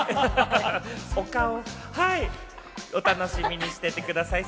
はい、お楽しみにしていてください。